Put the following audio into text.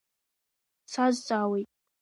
Дсазҵаауеит.